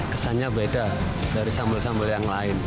kesannya beda dari sambel sambel yang lain